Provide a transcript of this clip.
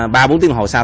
ba bốn tiếng hồi sau